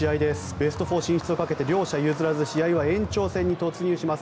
ベスト４進出をかけて両者譲らず試合は延長戦に突入します。